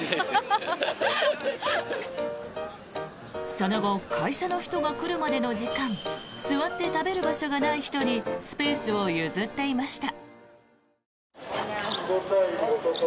その後会社の人が来るまでの時間座って食べる場所がない人にスペースを譲っていました。